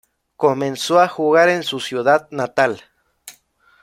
Comenzó a jugar en su ciudad natal.